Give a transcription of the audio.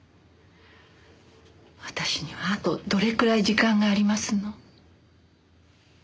私にはあとどれくらい時間がありますの？